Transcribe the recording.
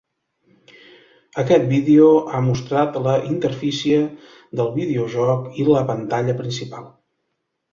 Aquest vídeo ha mostrat la interfície del videojoc i la pantalla principal.